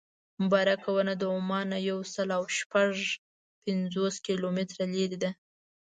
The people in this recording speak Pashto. مبارکه ونه د عمان نه یو سل او شپږ پنځوس کیلومتره لرې ده.